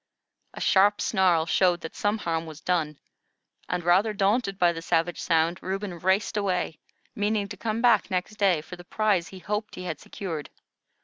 A sharp snarl showed that some harm was done, and, rather daunted by the savage sound, Reuben raced away, meaning to come back next day for the prize he hoped he had secured.